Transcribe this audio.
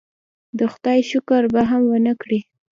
د خدای شکر به هم ونه کړي.